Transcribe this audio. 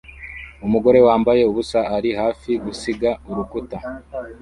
Umugore wambaye ubusa ari hafi gusiga urukuta